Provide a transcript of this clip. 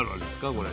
これ。